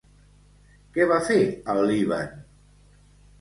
Què va fer al Líban?